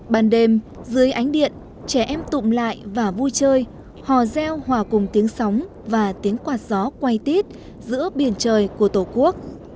ban đêm dưới ánh điện trẻ em tụm lại và vui chơi hò reo hòa cùng tiếng sóng và tiếng quạt gió quay tít giữa biển trời của tổ quốc